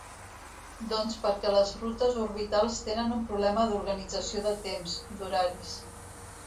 Doncs perquè les rutes orbitals tenen un problema d'organització de temps, d'horaris.